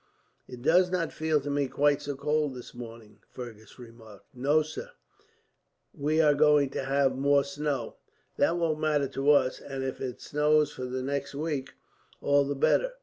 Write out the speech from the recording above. "It does not feel to me quite so cold this morning," Fergus remarked. "No, sir; we are going to have more snow. That won't matter to us, and if it snows for the next week, all the better.